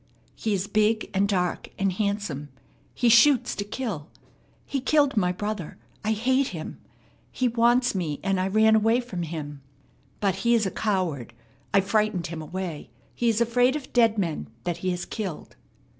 "He is big and dark and handsome. He shoots to kill. He killed my brother. I hate him. He wants me, and I ran away from him. But he is a coward. I frightened him away. He is afraid of dead men that he has killed."